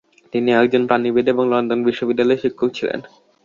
তিনি একজন প্রাণীবিদ এবং লন্ডন বিশ্ববিদ্যালয়ের শিক্ষক ছিলেন।